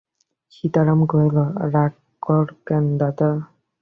সীতারাম কহিল, রাগ কর কেন দাদা?